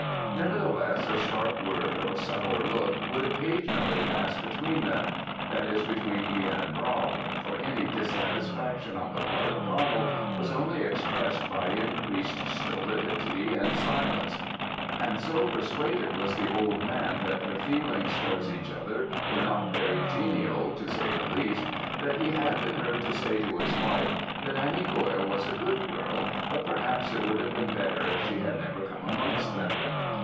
Nevertheless, a sharp word, or sour look, would occasionally pass between them; that is, between Ihan and Rob; for any dissatisfaction on the part of Donald was only expressed by increased stolidity and silence; and so persuaded was the old man that their feelings towards each other were not very genial; to say the least, that he had been heard to say to his wife, that Annie Goil was a good girl; but, perhaps, it would have been better, if she had never come amongst them.